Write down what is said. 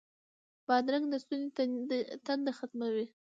بادرنګ د ستوني تنده ختموي.